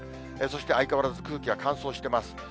そして相変わらず空気は乾燥してます。